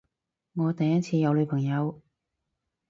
我第一次有女朋友